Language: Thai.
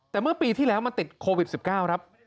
แต่เมื่อปีที่แล้วมันติดโควิด๑๙ครับ